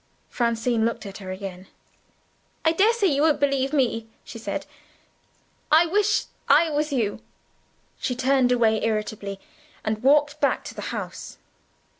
Francine looked at her again. "I daresay you won't believe me," she said. "I wish I was you." She turned away irritably, and walked back to the house.